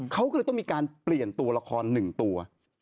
เขาก็เลยต้องมีการเปลี่ยนตัวละคร๑ตัว